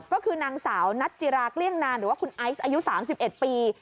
ก็คือนางสาวนัทจิราเกลี้ยงนานหรือว่าคุณไอซ์อายุ๓๑ปี